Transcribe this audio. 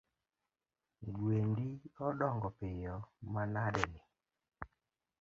Gwendi odongo piyo manadeni!